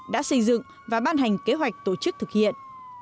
đã xây dựng và ban hành kế hoạch tổ chức thực hiện